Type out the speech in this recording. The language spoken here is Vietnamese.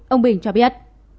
ông bình cho biết